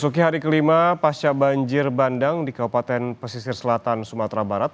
memasuki hari kelima pasca banjir bandang di kabupaten pesisir selatan sumatera barat